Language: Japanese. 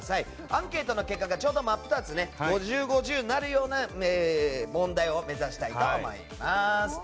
アンケートの結果が５０：５０になるような問題を目指したいと思います。